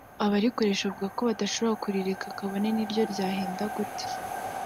Abarikoresha bavuga ko badashobora kurireka kabone n’iyo ryahenda gute